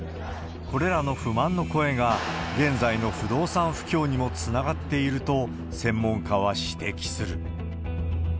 これらの不満の声が、現在の不動産不況にもつながっていると、専門家は指摘する。